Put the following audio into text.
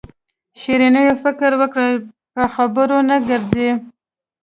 شیرینو فکر وکړ په خبرو نه ګرځي.